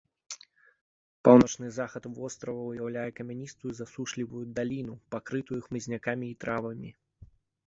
Паўночны захад вострава ўяўляе камяністую засушлівую даліну, пакрытую хмызнякамі і травамі.